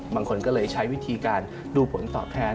บางคนก็เลยใช้วิธีการดูผลตอบแทน